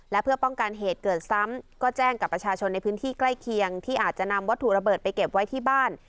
และเพื่อป้องกันเหตุเกิดซ้ำก็แจ้งกับประชาชนในพื้นที่ใกล้เคียงที่อาจจะนำวัตถุระเบิดไปเก็บไว้ที่บ้าน